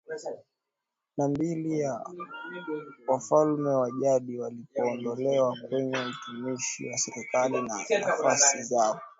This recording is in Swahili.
na mbili pale Wafalme wa jadi walipoondolewa kwenye utumishi wa serikali na nafasi zao